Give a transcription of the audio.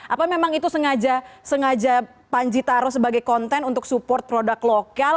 apa memang itu sengaja panji taruh sebagai konten untuk support produk lokal